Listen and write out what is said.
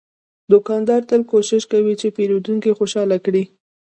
دوکاندار تل کوشش کوي چې پیرودونکی خوشاله کړي.